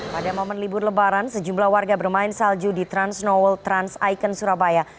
pada momen libur lebaran sejumlah warga bermain salju di transnoworld trans icon surabaya